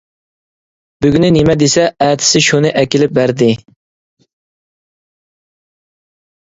بۈگۈنى نېمە دېسە ئەتىسى شۇنى ئەكېلىپ بەردى.